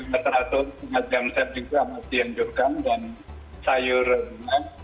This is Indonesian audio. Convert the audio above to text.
jadi untuk lima ratus jam setting itu amat dihancurkan dan sayur juga